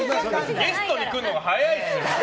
ゲストに来るのが早いですよ。